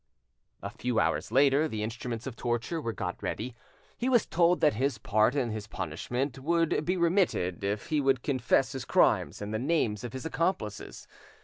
A few hours later the instruments of torture were got ready. He was told that this part of his punishment would be remitted if he would confess his crimes and the names of his accomplices.